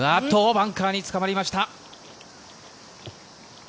バンカーにつかまりました。